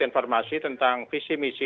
informasi tentang visi misi